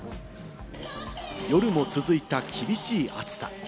夜も続いた厳しい暑さ。